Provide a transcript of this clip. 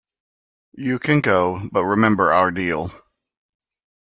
You can go, but remember our deal.